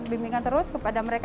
bimbingan terus kepada mereka